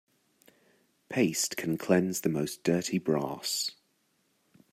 Paste can cleanse the most dirty brass.